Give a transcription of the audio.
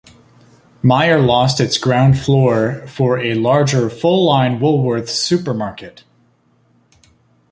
Myer lost its ground floor for a larger 'full-line' Woolworths supermarket.